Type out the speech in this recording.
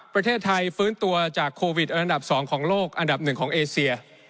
ประเทศไทยฟื้นตัวจากโควิดอันดับ๒ของโลกอันดับหนึ่งของเอเซีย